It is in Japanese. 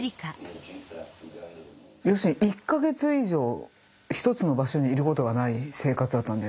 要するに１か月以上一つの場所にいることがない生活だったんで。